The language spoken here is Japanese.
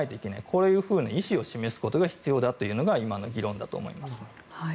こういうふうな意思を示すことが必要だということが今の議論だと思います。